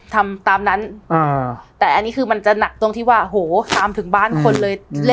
ทำตามนั้นแต่อันนี้คือมันจะหนักตรงที่ว่าโหตามถึงบ้านคนเลย